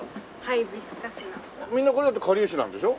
みんなこれだってかりゆしなんでしょ？